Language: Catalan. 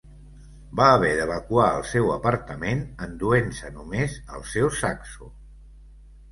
Va haver d'evacuar el seu apartament, enduent-se només el seu saxo.